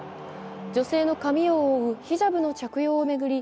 女性の髪を覆うヒジャブの着用を巡り